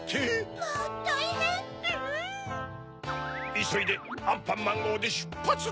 いそいでアンパンマンごうでしゅっぱつだ！